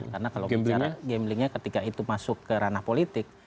karena kalau bicara gamblingnya ketika itu masuk ke ranah politik